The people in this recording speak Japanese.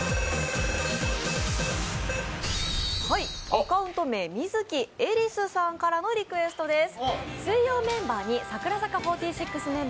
アカウント名、水樹エリスさんからのリクエストです。